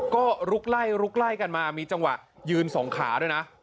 ก็ลุกไล่ลุกไล่กันมามีจังหวะยืนสองขาด้วยนะ